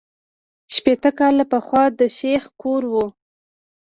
شپېته کاله پخوا د شیخ کور وو.